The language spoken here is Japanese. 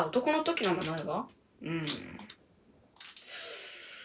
うん。